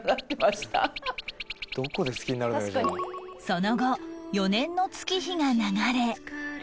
その後４年の月日が流れ